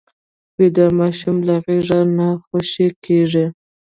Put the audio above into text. ویده ماشوم له غېږه نه خوشې کېږي